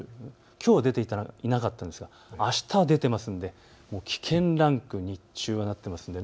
きょうは出ていなかったんですがあした出ているので危険ランクに日中はなっています。